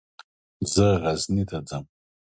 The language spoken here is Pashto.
زه غزني ته ځم.